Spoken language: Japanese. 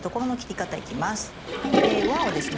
輪をですね